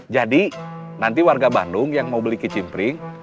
jadi nanti warga bandung yang mau beli kicimpring